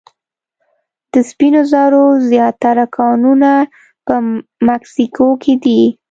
د سپینو زرو زیاتره کانونه په مکسیکو کې دي.